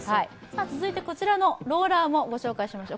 続いてこちらのローラーもご紹介しましょう。